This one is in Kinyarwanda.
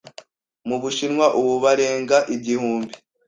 mu Bushinwa ubu barenga igihumbi.